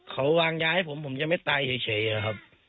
เขาวางยาให้ผมผมจะไม่ตายเฉยอะครับ